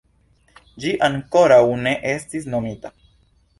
Ĝi ankoraŭ ne estis nomita.